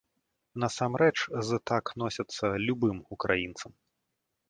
Насамрэч, з так носяцца любым украінцам!